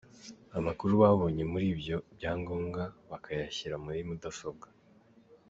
Amakuru babonye muri ibyo byangombwa bakayashyira mudasobwa.